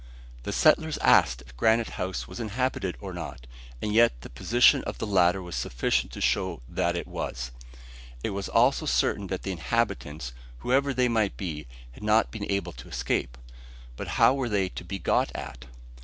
The settlers asked if Granite House was inhabited or not, and yet the position of the ladder was sufficient to show that it was; it was also certain that the inhabitants, whoever they might be, had not been able to escape. But how were they to be got at?